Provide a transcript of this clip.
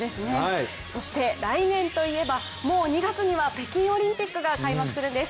そして、来年といえばもう２月には北京オリンピックが開幕するんです。